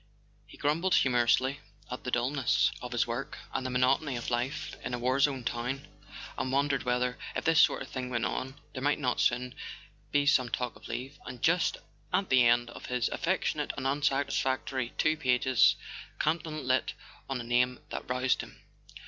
He grumbled humorously at the dulness of his A SON AT THE FRONT work and the monotony of life in a war zone town; and wondered whether, if this sort of thing went on, there might not soon be some talk of leave. And just at the end of his affectionate and unsatisfactory two pages, Campton lit on a name that roused him.